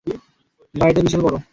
বাড়িটা বিশাল বড়।